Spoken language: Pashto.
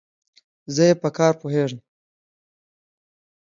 زه ئې په کار پوهېږم.